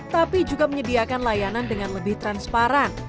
tapi juga menyediakan layanan dengan lebih transparan